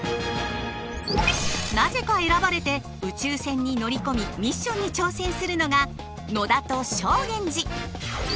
なぜか選ばれて宇宙船に乗り込みミッションに挑戦するのが野田と正源司。